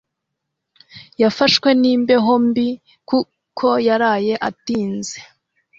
Yafashwe n'imbeho mbi kuko yaraye atinze